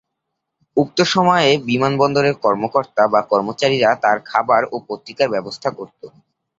উক্ত সময়ে বিমানবন্দরের কর্মকর্তা বা কর্মচারীরা তার খাবার ও পত্রিকার ব্যবস্থা করতো।